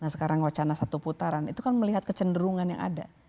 nah sekarang wacana satu putaran itu kan melihat kecenderungan yang ada